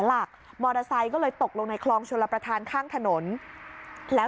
หลักมอเตอร์ไซค์ก็เลยตกลงในคลองชลประธานข้างถนนแล้ว